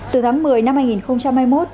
từ tháng một mươi năm hai nghìn hai mươi một